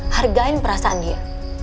hargai perasaan dia